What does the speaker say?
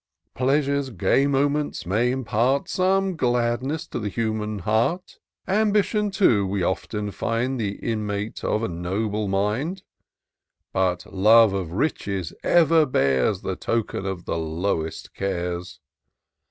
Pleasure's gay moments may impart Some gladness to the human heart ; Ambition, too, we often find The inmate of a noble mind ; But love of riches ever bears The token of the lowest cares.